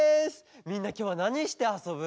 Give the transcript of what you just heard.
みんなきょうはなにしてあそぶ？